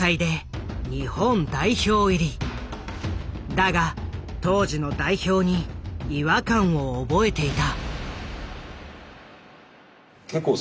だが当時の代表に違和感を覚えていた。